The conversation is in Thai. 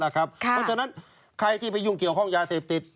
เพราะฉะนั้นใครที่ไปยุ่งเกี่ยวข้องยาเสพติด